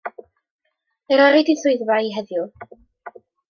Eryri 'di'n swyddfa i heddiw.